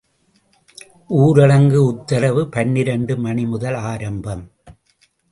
ஊரடங்கு உத்தரவு பனிரண்டு மணி முதல் ஆரம்பம்.